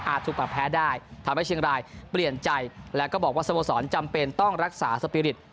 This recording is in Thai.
ถูกปรับแพ้ได้ทำให้เชียงรายเปลี่ยนใจแล้วก็บอกว่าสโมสรจำเป็นต้องรักษาสปีริต